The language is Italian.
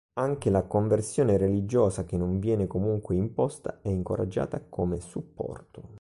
Anche la conversione religiosa, che non viene comunque imposta, è incoraggiata come supporto.